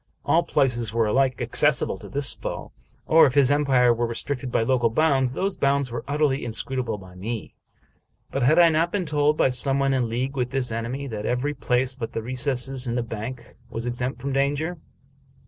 All places were alike accessible to this foe ; or, if his empire were restricted by local bounds, those bounds were utterly inscrutable by me. But had I not been told, by some one in league with this enemy, that every place but the recess in the bank was exempt from danger